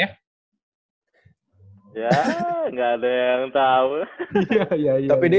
ya ga ada yang tau